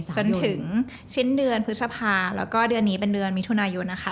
จนถึงสิ้นเดือนพฤษภาแล้วก็เดือนนี้เป็นเดือนมิถุนายนนะคะ